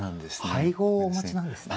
俳号をお持ちなんですね。